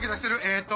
えっと